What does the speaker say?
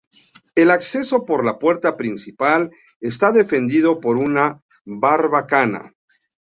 El acceso por la puerta principal está defendido por una barbacana.